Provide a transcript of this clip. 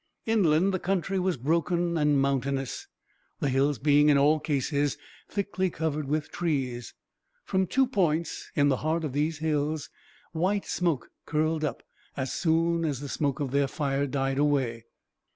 Inland the country was broken and mountainous; the hills being, in all cases, thickly covered with trees. From two points, in the heart of these hills, white smoke curled up, as soon as the smoke of their fire died away.